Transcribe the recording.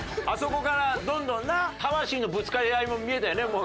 あそこからどんどんな魂のぶつかり合いも見えたよね。